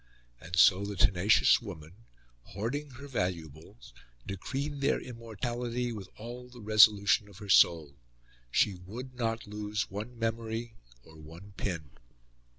And so the tenacious woman, hoarding her valuables, decreed their immortality with all the resolution of her soul. She would not lose one memory or one pin.